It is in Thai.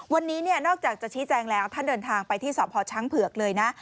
วันนี้เนี่ยนอกจากจะชี้แจงแล้วท่านเดินทางไปที่สพช้างเผือกเลยนะ